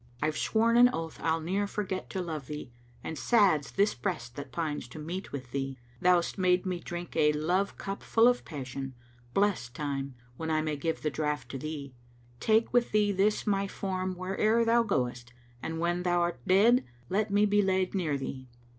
I've sworn an oath I'll ne'er forget to love thee, And sad's this breast that pines to meet with thee! Thou'st made me drink a love cup full of passion, Blest time! When I may give the draught to thee! Take with thee this my form where'er thou goest, And when thou 'rt dead let me be laid near thee!